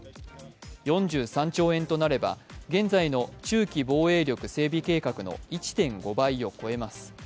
４３兆円となれば、現在の中期防衛力整備計画の１．５倍を超えます。